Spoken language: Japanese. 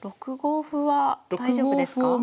６五歩は大丈夫ですか？